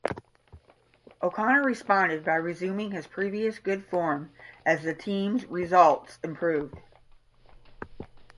O'Connor responded by resuming his previous good form as the team's results improved.